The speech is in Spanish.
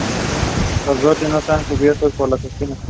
Los brotes no están cubiertos por las espinas.